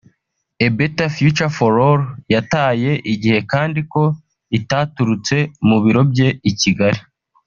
A Better Future for All” yataye igihe kandi ko itaturutse mu biro bye i Kigali)